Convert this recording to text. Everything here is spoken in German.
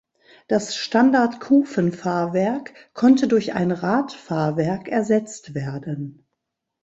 Das Standard-Kufenfahrwerk konnte durch ein Radfahrwerk ersetzt werden.